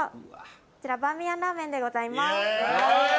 こちらバーミヤンラーメンでございます。